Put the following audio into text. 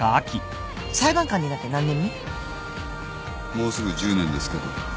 もうすぐ１０年ですけど。